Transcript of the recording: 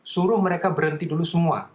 suruh mereka berhenti dulu semua